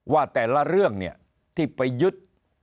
ว่าแต่ละเรื่องที่ไปยึด